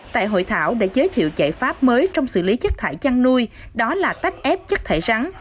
tại hội thảo đã giới thiệu giải pháp mới trong xử lý chất thải chăn nuôi đó là tách ép chất thải rắn